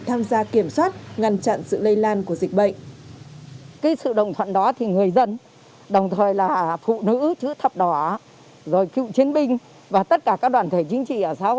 tham gia kiểm soát ngăn chặn sự lây lan của dịch bệnh